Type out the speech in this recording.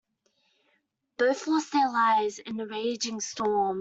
Both lost their lives in the raging storm.